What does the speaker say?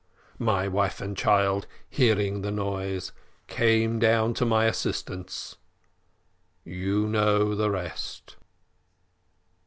My wife and child, hearing the noise, came down to my assistance you know the rest."